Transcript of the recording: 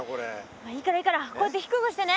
まあいいからいいからこうやって低くしてね。